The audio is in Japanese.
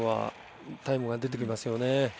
タイムが出てきますよね。